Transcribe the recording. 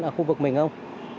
ở khu vực mình không